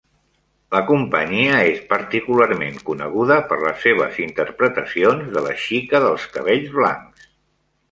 La companyia és particularment coneguda per les seves interpretacions de "La xica dels cabells blancs".